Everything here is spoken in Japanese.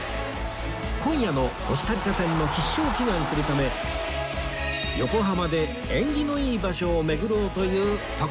今夜のコスタリカ戦の必勝を祈願するため横浜で縁起のいい場所を巡ろうという徳さんの計画